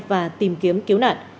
và tìm kiếm cứu nạn